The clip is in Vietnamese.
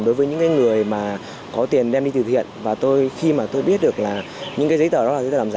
đối với những người mà có tiền đem đi từ thiện và tôi khi mà tôi biết được là những cái giấy tờ đó là giấy tờ làm giả